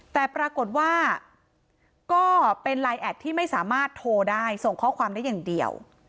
แต่ปรากฏว่าก็เป็นไลน์แอดที่ไม่สามารถโทรได้ส่งข้อความได้อย่างเดียว